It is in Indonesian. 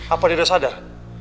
apa dia udah sadar